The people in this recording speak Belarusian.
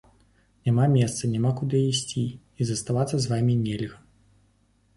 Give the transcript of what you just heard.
Няма месца, няма куды ісці і заставацца з вамі нельга.